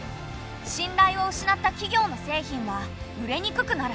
信頼を失った企業の製品は売れにくくなる。